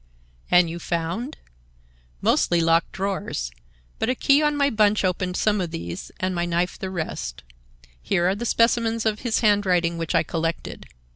"And you found—?" "Mostly locked drawers. But a key on my bunch opened some of these and my knife the rest. Here are the specimens of his handwriting which I collected.